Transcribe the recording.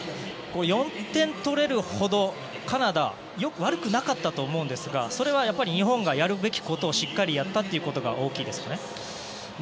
４点取れるほどカナダも悪くなかったと思いますがそれは日本がやるべきことをしっかりやったというところが大きいですかね。